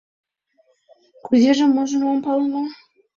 — Кузежым-можым ом пале мо?